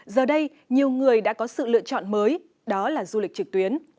giờ đây nhiều người đã có sự lựa chọn mới đó là du lịch trực tuyến